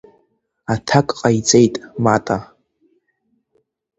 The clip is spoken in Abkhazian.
Аҭак ҟаиҵеит Мата.